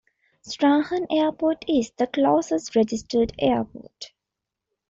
Strahan Airport is the closest registered airport.